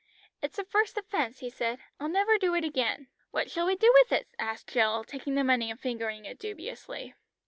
"It's a first offence," he said. "I'll never do it again." "What shall we do with it?" asked Jill, taking the money and fingering it dubiously.